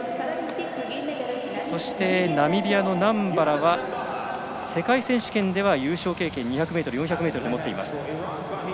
そしてナミビアのナンバラは世界選手権では優勝経験を２００ｍ、４００ｍで持っています。